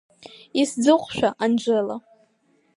Исзыҟәшәа, Анжела…